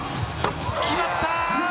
決まった！